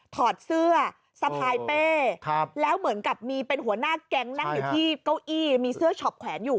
ถอดเสื้อสะพายเป้แล้วเหมือนกับมีเป็นหัวหน้าแก๊งนั่งอยู่ที่เก้าอี้มีเสื้อช็อปแขวนอยู่